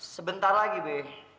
sebentar lagi be